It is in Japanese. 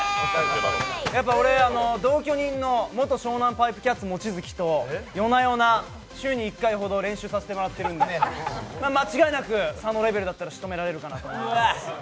俺、同居人の元ショウナンパイプキャッツの望月と夜な夜な週に１回ほど練習させてもらってるんで間違いなく佐野レベルだったらしとめられるかなと思います。